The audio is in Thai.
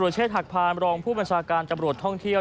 เชษฐหักพานรองผู้บัญชาการตำรวจท่องเที่ยว